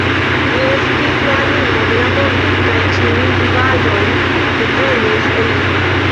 Li estis la animo de la mondo, kaj ĉiuj vivaĵoj devenis el li.